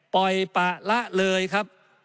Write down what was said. ปล่อยปะละเลยครับ